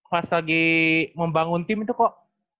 pas lagi membangun tim itu kok